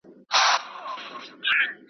ستا له باړخو ستا له نتکۍ ستا له پېزوانه سره .